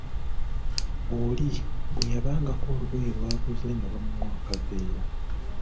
Oli bwe yabangako olugoye lwaguze nga bamuwa akaveera.